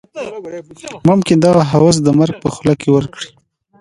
ممکن دغه هوس د مرګ په خوله کې ورکړي.